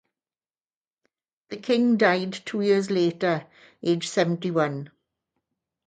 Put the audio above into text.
The King died two years later, aged seventy-one.